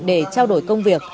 để trao đổi công việc